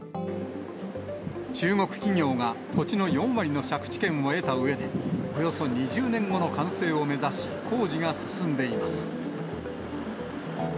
中国企業が土地の４割の借地権を得たうえで、およそ２０年後の完成を目指し、工事が進んでいます。